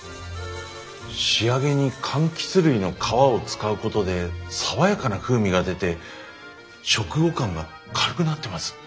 仕上げにかんきつ類の皮を使うことで爽やかな風味が出て食後感が軽くなってます。